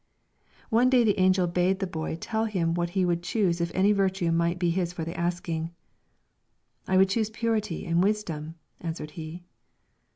One day the angel bade the boy tell him what he would choose if any virtue might be his for the asking. "I would choose purity and wisdom," answered he.